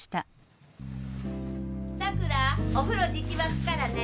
・さくらお風呂じき沸くからね。